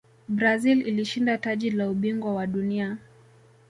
brazil ilishinda taji la ubingwa wa dunia